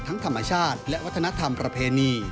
ธรรมชาติและวัฒนธรรมประเพณี